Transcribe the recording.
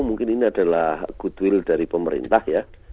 mungkin ini adalah goodwill dari pemerintah ya